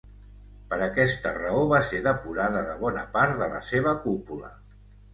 Per aquesta raó va ser depurada de bona part de la seva cúpula.